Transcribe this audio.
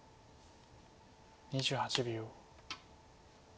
２８秒。